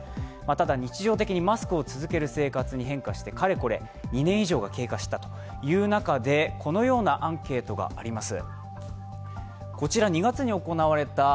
ただ、日常的にマスクを着ける生活に変化して、かれこれ２年以上が経過したという中でこのようなアンケートがあります。